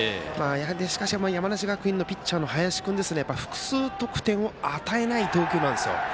しかし、山梨学院のピッチャーの林君複数得点を与えない投球なんです。